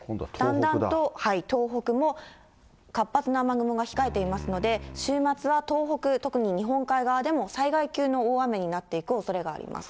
だんだんと、東北も活発な雨雲が控えていますので、週末は東北、特に日本海側でも災害級の大雨になっていくおそれがあります。